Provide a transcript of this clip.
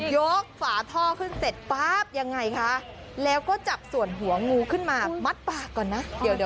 ยกฝาท่อขึ้นเสร็จแล้วก็จับฝังหัวงูขึ้นมามัจปากก่อนนะ